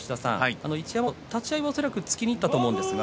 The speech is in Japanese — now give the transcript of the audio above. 一山本、立ち合いは恐らく突きにいったと思いますが。